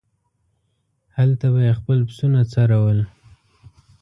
هلته به یې خپل پسونه څرول.